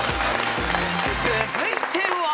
［続いては］